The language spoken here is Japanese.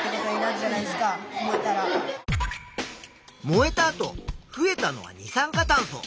燃えた後増えたのは二酸化炭素。